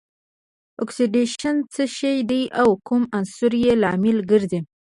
اکسیدیشن څه شی دی او کوم عنصر یې لامل ګرځي؟